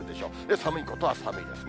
寒いことは寒いですね。